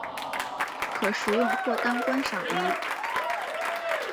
可食用或当观赏鱼。